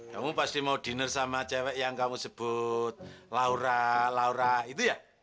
kamu pasti mau dinner sama cewek yang kamu sebut laura laura itu ya